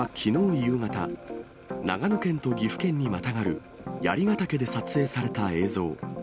夕方、長野県と岐阜県にまたがる槍ヶ岳で撮影された映像。